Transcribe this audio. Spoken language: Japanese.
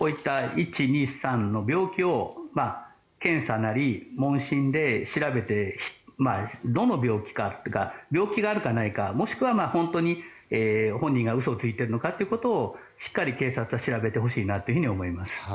１、２、３の病気を検査なり問診で調べてどの病気か病気があるかないかもしくは本当に本人が嘘をついているのかということをしっかり警察は調べてほしいなと思います。